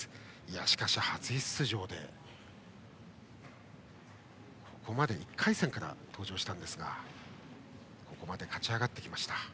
しかし、初出場で１回戦から登場しましたがここまで勝ち上がってきました。